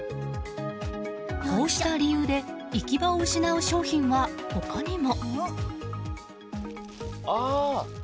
こうした理由で行き場を失う商品は、他にも。